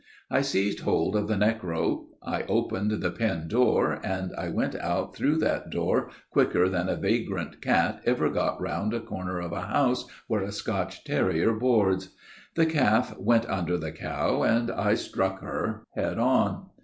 I seized hold of the neck rope. I opened the pen door and I went out through that door quicker than a vagrant cat ever got round a corner of a house where a Scotch terrier boards. The calf went under the cow and I struck her, head on.